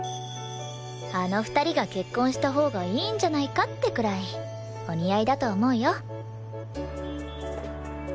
あの２人が結婚したほうがいいんじゃないかってくらいお似合いだと思うよ。